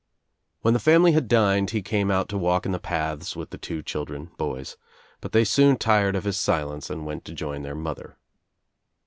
When the family had dined he came out to walk in the paths with the two children, boys, but they soon tired of his silence and went to join their mother.